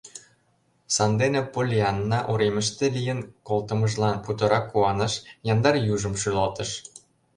Сандене Поллианна уремыште лийын колтымыжлан путырак куаныш, яндар южым шӱлалтыш.